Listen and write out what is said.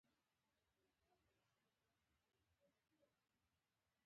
که کارونه مهم وي نو سړی پخپله مشهور کیږي